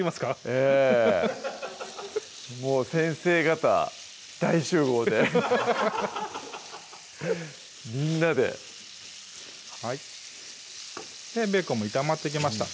ええ先生方大集合でみんなではいベーコンも炒まってきました